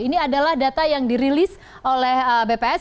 ini adalah data yang dirilis oleh bps